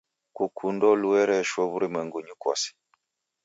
Kukundo luereshwe w'urumwengunyi kose.